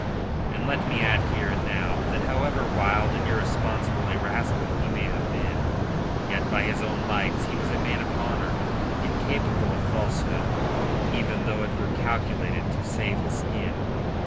And let me add here and now that however wild and irresponsible a rascal he may have been, yet by his own lights he was a man of honour, incapable of falsehood, even though it were calculated to save his skin.